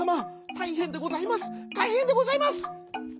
たいへんでございます！」。